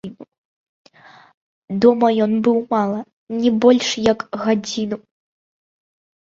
Дома ён быў мала, не больш як гадзіну.